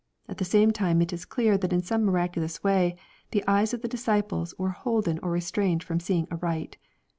At the same time it is clear that in some miraculous way the eyes of the disciples were holden or restrained from seeing aright.